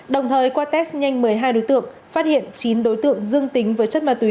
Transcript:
đồng thời qua test nhanh một mươi hai đối tượng phát hiện chín đối tượng dương tính với chất ma túy